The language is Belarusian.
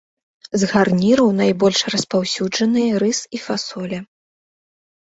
З гарніраў найбольш распаўсюджаныя рыс і фасоля.